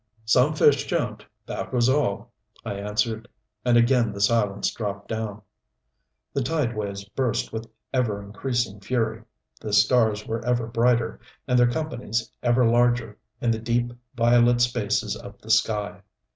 "Some fish jumped, that was all," I answered. And again the silence dropped down. The tide waves burst with ever increasing fury. The stars were ever brighter, and their companies ever larger, in the deep, violet spaces of the sky.